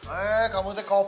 eh kamu tuh kopi